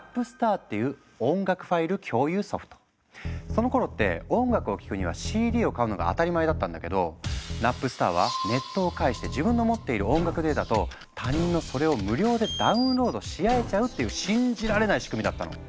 そのころって音楽を聴くにはＣＤを買うのが当たり前だったんだけどナップスターはネットを介して自分の持っている音楽データと他人のそれを無料でダウンロードし合えちゃうっていう信じられない仕組みだったの！